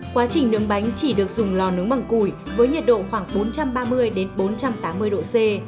quá trình nướng bánh chỉ được dùng lò nướng bằng củi với nhiệt độ khoảng bốn trăm ba mươi bốn trăm tám mươi độ c